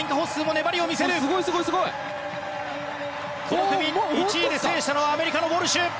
この組１位で制したのはアメリカのウォルシュ。